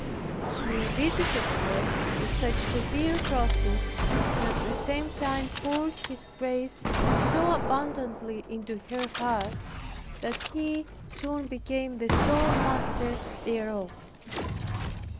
He visited her with such severe crosses, and at the same time poured His grace so abundantly into her heart, that He soon became the sole master thereof.